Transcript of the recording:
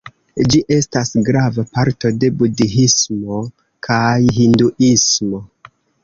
Ĝi estas grava parto de budhismo kaj hinduismo.